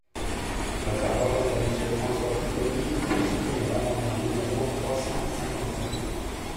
La parole est à Monsieur François Pupponi, pour soutenir l’amendement numéro trois cent cinquante-sept.